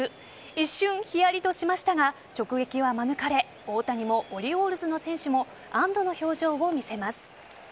一瞬ヒヤリとしましたが直撃は免れ大谷もオリオールズの選手も安堵の表情を見せます。